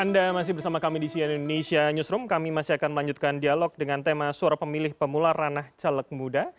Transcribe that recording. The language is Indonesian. anda masih bersama kami di cnn indonesia newsroom kami masih akan melanjutkan dialog dengan tema suara pemilih pemula ranah caleg muda